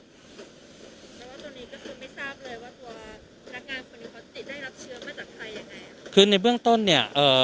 คุณไม่ทราบเลยว่าตัวพนักงานคนนี้เขาติดได้รับเชื้อมาจากใครยังไงคือในเบื้องต้นเนี้ยเอ่อ